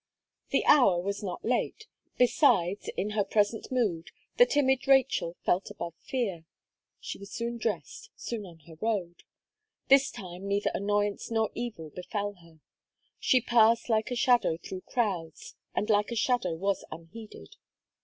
The hour was not late; besides, in her present mood, the timid Rachel felt above fear. She was soon dressed soon on her road. This time neither annoyance nor evil befell her. She passed like a shadow through crowds, and like a shadow was unheeded.